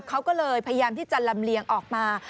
เขาก็เลยพยายามที่จะลำเลียงออกมา